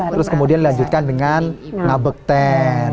terus kemudian dilanjutkan dengan ngabek ten